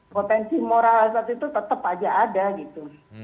potensi moral saat itu tetap aja ada gitu